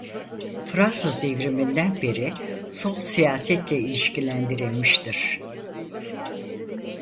Fransız Devrimi'nden beri sol siyasetle ilişkilendirilmiştir.